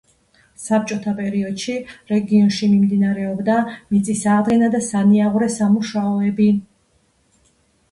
საბჭოთა პერიოდში, რეგიონში მიმდინარეობდა მიწის აღდგენა და სანიაღვრე სამუშაოები.